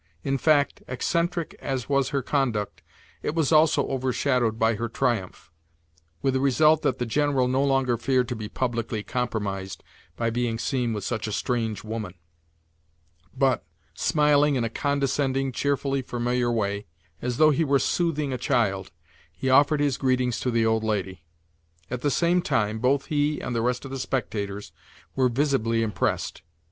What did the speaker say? In fact, eccentric as was her conduct, it was also overshadowed by her triumph; with the result that the General no longer feared to be publicly compromised by being seen with such a strange woman, but, smiling in a condescending, cheerfully familiar way, as though he were soothing a child, he offered his greetings to the old lady. At the same time, both he and the rest of the spectators were visibly impressed.